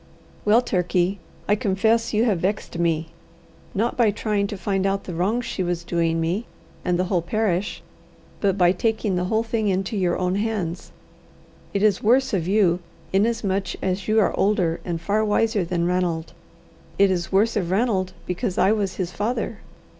"Well, Turkey, I confess you have vexed me, not by trying to find out the wrong she was doing me and the whole parish, but by taking the whole thing into your own hands. It is worse of you, inasmuch as you are older and far wiser than Ranald. It is worse of Ranald because I was his father.